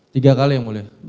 tiga kali yang boleh